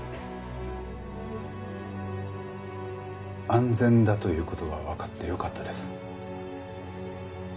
安全だという事がわかってよかったです。